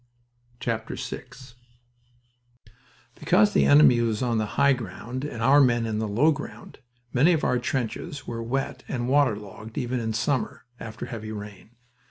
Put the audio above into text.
VI Because the enemy was on the high ground and our men were in the low ground, many of our trenches were wet and waterlogged, even in summer, after heavy rain.